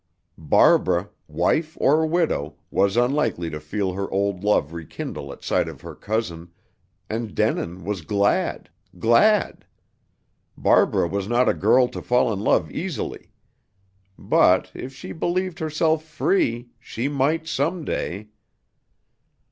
Barbara wife or widow was unlikely to feel her old love rekindle at sight of her cousin, and Denin was glad glad. Barbara was not a girl to fall in love easily. But, if she believed herself free, she might some day....